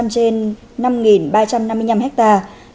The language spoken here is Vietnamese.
trên năm ba trăm năm mươi năm hectare